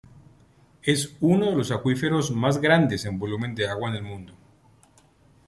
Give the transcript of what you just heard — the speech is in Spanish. Es uno de los acuíferos más grandes en volumen de agua en el mundo.